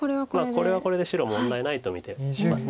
これはこれで白問題ないと見てます。